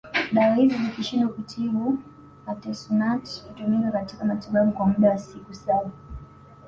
Dawa hizi zikishindwa kutibu Artesunate hutumika katika matibabu kwa muda wa siku saba